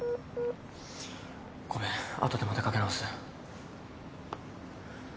ごめん後でまたかけ直す。